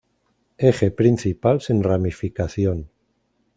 Eje principal sin ramificación.